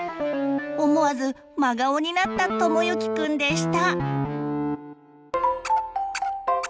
思わず真顔になったともゆきくんでした。